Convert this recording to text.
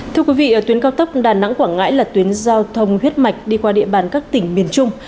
thưa quý vị ở tuyến cao tốc đà nẵng quảng ngãi là tuyến giao thông huyết mạch đi qua địa bàn các tỉnh miền trung